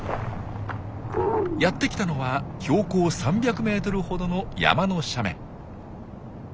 やってきたのは標高３００ｍほどの山の斜面。